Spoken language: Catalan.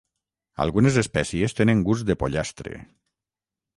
Algunes espècies tenen gust de pollastre.